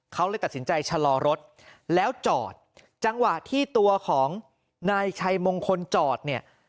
เขาเลยตัดสินใจชะลอรถแล้วจอดจังหวะที่ตัวของนายชัยมงคลจอดเนี่ย